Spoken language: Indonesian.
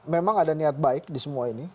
memang ada niat baik di semua ini